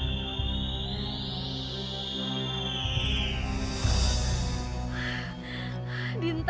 buat perang yang mudah